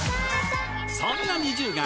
そんなＮｉｚｉＵが